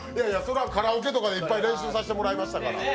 カラオケとかでいっぱい練習させてもらいましたから。